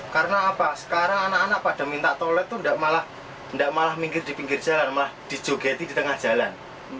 karena apa sekarang anak anak pada minta telolet itu enggak malah minggir di pinggir jalan malah dijogeti di tengah jalan